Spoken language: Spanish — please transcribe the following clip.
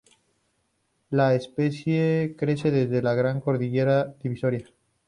La especie crece desde la Gran Cordillera Divisoria.